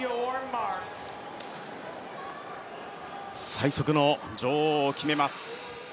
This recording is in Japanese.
最速の女王を決めます。